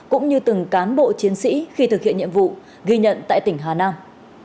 cũng như từng cán bộ chiến sĩ khi thực hiện nhiệm vụ ghi nhận tại tỉnh hà nam